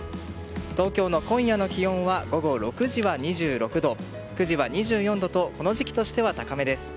東京の今夜の気温は午後６時は２６度９時は２４度とこの時期としては高めです。